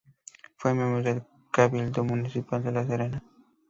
Fue miembro del Cabildo Municipal de La Serena.